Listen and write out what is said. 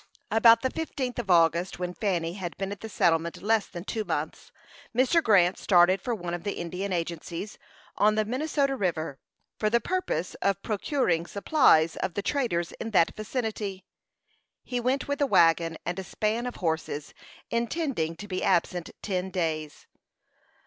About the 15th of August, when Fanny had been at the settlement less than two months, Mr. Grant started for one of the Indian Agencies, on the Minnesota River, for the purpose of procuring supplies of the traders in that vicinity. He went with a wagon and a span of horses, intending to be absent ten days.